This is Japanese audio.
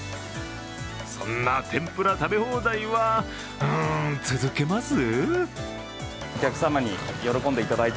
そんな天ぷら食べ放題は続けます？